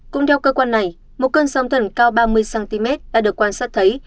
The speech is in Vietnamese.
cũng theo cơ quan này một cơn sóng thần cao ba mươi cm đã được quan sát thấy